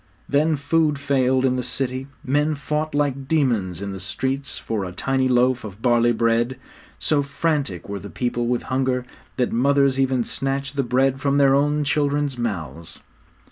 Then food failed in the city; men fought like demons in the streets for a tiny loaf of barley bread; so frantic were the people with hunger that mothers even snatched the bread from their own children's mouths!